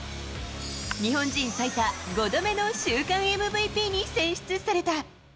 日本人最多５度目の週間ＭＶＰに選出された。